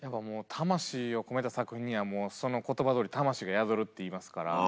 魂を込めた作品にはもうその言葉どおり魂が宿るっていいますから。